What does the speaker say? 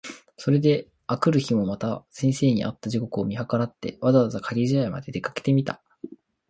それで翌日（あくるひ）もまた先生に会った時刻を見計らって、わざわざ掛茶屋（かけぢゃや）まで出かけてみた。